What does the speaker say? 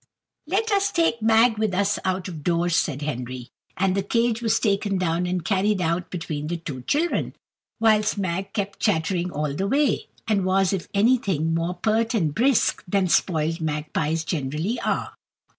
"Let us take Mag with us out of doors," said Henry; and the cage was taken down and carried out between the two children, whilst Mag kept chattering all the way, and was, if anything, more pert and brisk than spoiled magpies generally are.